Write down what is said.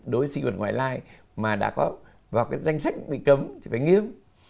đối với sinh vật ngoại lai mà đã có vào danh sách bị cấm thì phải nghiêm